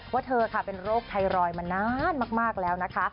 เธอค่ะเป็นโรคไทรอยด์มานานมากแล้วนะคะ